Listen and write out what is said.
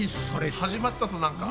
始まったぞなんか。